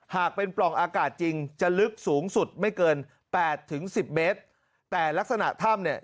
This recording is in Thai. หากเป็นปล่องอากาศจริงจะลึกสูงสุดไม่เกินแปดถึงสิบเมตรแต่ลักษณะถ้ำเนี่ย